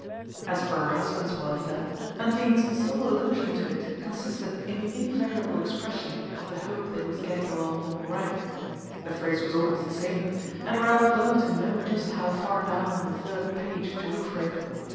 As for her husband's welfare. Undine's sole allusion to it consisted in the invariable expression of the hope that he was getting along all right: the phrase was always the same, and Ralph learned to know just how far down the third page to look for it.